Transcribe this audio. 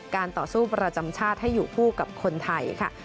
ต่อสู้ประจำชาติให้อยู่คู่กับคนไทยค่ะ